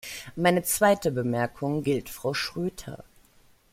Meine zweite Bemerkung gilt Frau Schroedter.